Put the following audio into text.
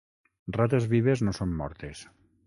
Rates vives no són mortes.